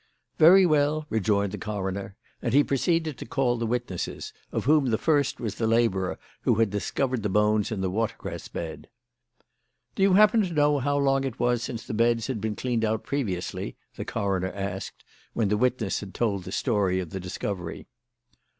"Very well," rejoined the coroner, and he proceeded to call the witnesses, of whom the first was the labourer who had discovered the bones in the watercress bed. "Do you happen to know how long it was since the beds had been cleaned out previously?" the coroner asked, when the witness had told the story of the discovery.